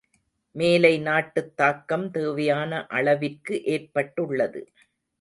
மேலை நாட்டுத் தாக்கம் தேவையான அளவிற்கு ஏற்பட்டுள்ளது.